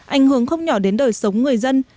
ảnh hưởng không nhỏ đến đời sống người dân